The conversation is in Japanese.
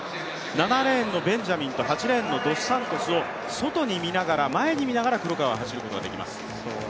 ７レーンのベンジャミンと８レーンのドスサントスを外に見ながら、前に見ながら走るという。